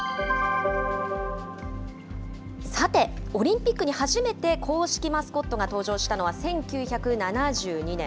さて、オリンピックに初めて公式マスコットが登場したのは１９７２年。